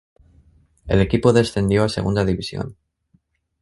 El equipo descendió a Segunda División.